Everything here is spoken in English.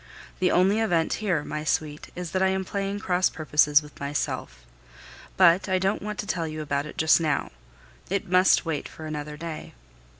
The only event here, my sweet, is that I am playing cross purposes with myself. But I don't want to tell you about it just now; it must wait for another day.